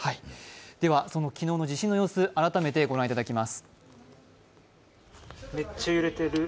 昨日の地震の様子、改めて御覧いただきます。